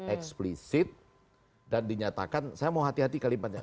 eksplisit dan dinyatakan saya mau hati hati kalimatnya